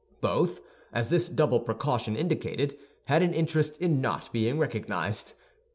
Both, as this double precaution indicated, had an interest in not being recognized.